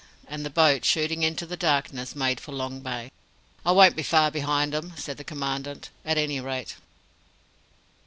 And the boat, shooting into the darkness, made for Long Bay. "I won't be far behind 'em," said the Commandant, "at any rate."